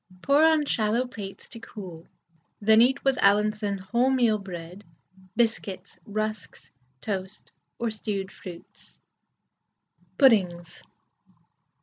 Pour on shallow plates to cool, then eat with Allinson wholemeal bread, biscuits, rusks, toast, or stewed fruits. PUDDINGS.